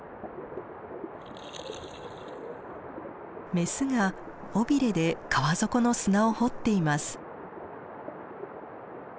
メスが尾びれで川底の砂を掘っています。